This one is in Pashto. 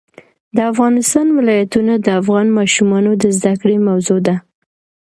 د افغانستان ولايتونه د افغان ماشومانو د زده کړې موضوع ده.